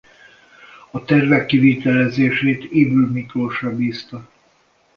A tervek kivitelezését Ybl Miklósra bízta.